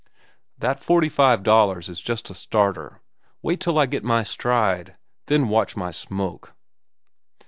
That forty five dollars is just a starter. Wait till I get my stride. Then watch my smoke."